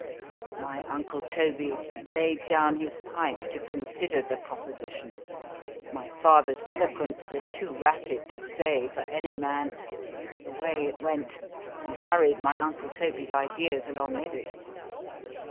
_ My uncle Toby laid down his pipe to consider the proposition; my father's eloquence was too rapid to stay for any man—away it went,—and hurried my uncle Toby's ideas along with it.